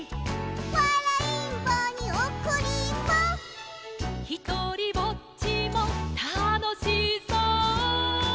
「わらいんぼにおこりんぼ」「ひとりぼっちもたのしそう」